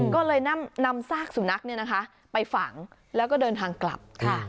ก็เลยนำซากสุนัขเนี่ยนะคะไปฝังแล้วก็เดินทางกลับค่ะ